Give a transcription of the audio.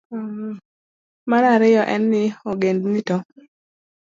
Mar ariyo en ni, ogendini to